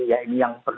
ya ini yang berdiri